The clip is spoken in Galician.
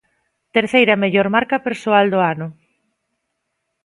Terceira mellor marca persoal do ano.